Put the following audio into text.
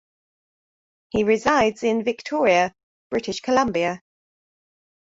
He resides in Victoria, British Columbia.